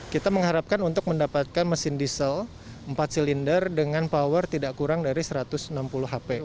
kita mengharapkan untuk mendapatkan mesin diesel empat silinder dengan power tidak kurang dari satu ratus enam puluh hp